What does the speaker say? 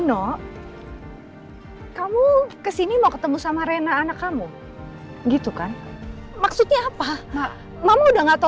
hai kamu kesini mau ketemu sama rena anak kamu gitu kan maksudnya apa maksudnya